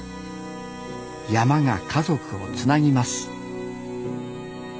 山が家族をつなぎます